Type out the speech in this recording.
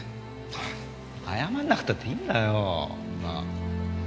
謝らなくたっていいんだよ。